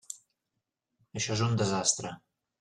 Això és un desastre.